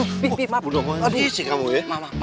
udah mau ngapain sih kamu ya